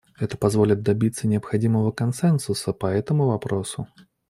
Это позволит добиться необходимого консенсуса по этому вопросу.